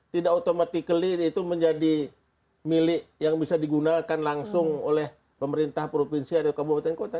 tidak automatically itu menjadi milik yang bisa digunakan langsung oleh pemerintah provinsi atau kabupaten kota